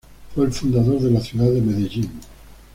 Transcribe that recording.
Fue el fundador de la ciudad de Medellín.